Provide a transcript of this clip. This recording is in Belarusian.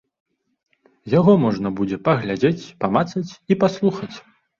Яго можна будзе паглядзець, памацаць і паслухаць.